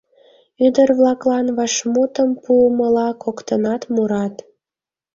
Ӱдыр-влаклан вашмутым пуымыла коктынат мурат: